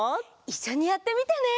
いっしょにやってみてね！